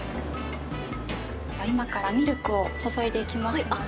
今からミルクを注いでいきますので。